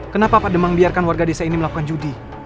kenapa pak demang biarkan warga desa ini melakukan judi